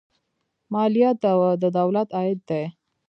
مالیه د دولت عاید دی